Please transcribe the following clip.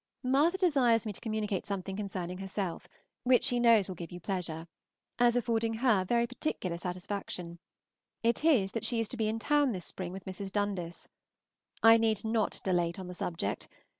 Martha desires me to communicate something concerning herself which she knows will give you pleasure, as affording her very particular satisfaction, it is that she is to be in town this spring with Mrs. Dundas. I need not dilate on the subject.